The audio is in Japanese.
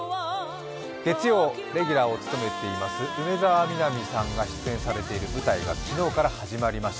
月曜、レギュラーを務めています梅澤美波さんが出演されている梅澤美波さんが出演されている舞台が昨日から始まりました。